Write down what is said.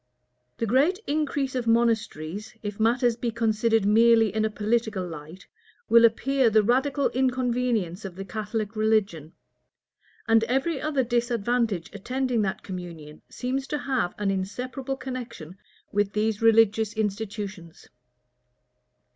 The great increase of monasteries, if matters be considered merely in a political light, will appear the radical inconvenience of the Catholic religion; and every other disadvantage attending that communion seems to have an inseparable connection with these religious institutions.